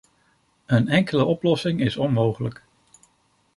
Een enkele oplossing is onmogelijk.